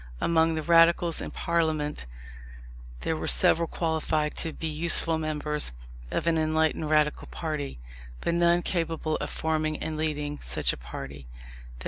Among the Radicals in Parliament there were several qualified to be useful members of an enlightened Radical party, but none capable of forming and leading such a party.